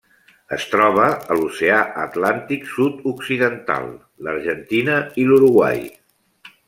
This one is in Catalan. Es troba a l'Oceà Atlàntic sud-occidental: l'Argentina i l'Uruguai.